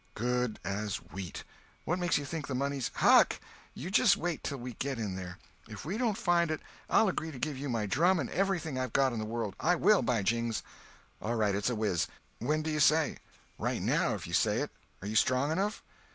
"Good as wheat! What makes you think the money's—" "Huck, you just wait till we get in there. If we don't find it I'll agree to give you my drum and every thing I've got in the world. I will, by jings." "All right—it's a whiz. When do you say?" "Right now, if you say it. Are you strong enough?"